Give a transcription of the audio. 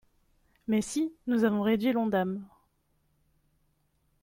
Mais si, nous avons réduit l’ONDAM